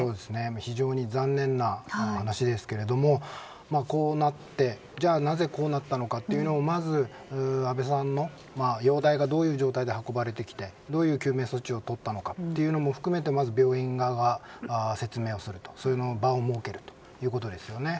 非常に残念な話ですけれどもじゃあ、なぜこうなったのかというのをまず、安倍さんの容体がどういう状態で運ばれてきてどういう救命措置をとったのかということも含めてまず、病院側が説明をするその場を設けるということですね。